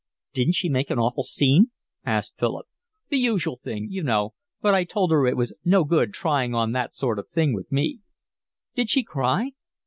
"Didn't she make an awful scene?" asked Philip. "The usual thing, you know, but I told her it was no good trying on that sort of thing with me." "Did she cry?"